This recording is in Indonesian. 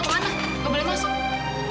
mas kamu boleh masuk